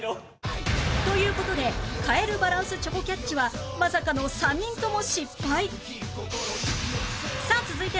という事でカエルバランスチョコキャッチはまさかの３人とも失敗